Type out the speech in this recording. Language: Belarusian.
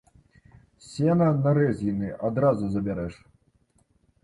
Сена на рэзгіны адразу забярэш.